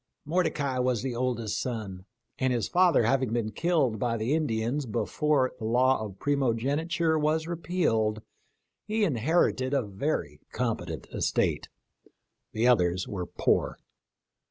Mordecai was the oldest son, and his father having been killed by the Indians before the law of primogeniture was repealed, he inherited a very competent estate. The others were poor.